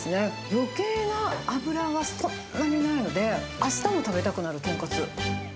余計な脂がそんなにないので、あしたも食べたくなるとんかつ。